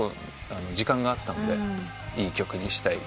時間があったのでいい曲にしたい。